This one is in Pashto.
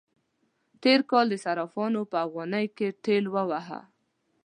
تېر کال صرافانو په افغانی کې ټېل واهه.